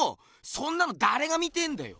そんなのだれが見てえんだよ？